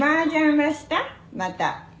また」